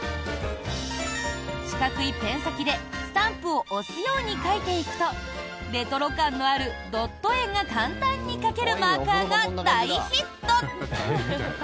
四角いペン先でスタンプを押すように描いていくとレトロ感のあるドット絵が簡単に描けるマーカーが大ヒット！